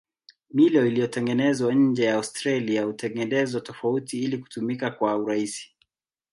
Milo iliyotengenezwa nje ya Australia hutengenezwa tofauti ili kutumika kwa urahisi.